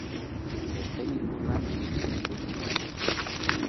Besteen inguruan ibiltzen ikusi nuen.